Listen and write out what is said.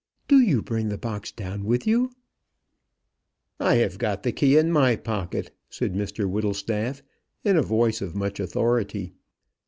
Do you bring the box down with you." "I have got the key in my pocket," said Mr Whittlestaff, in a voice of much authority.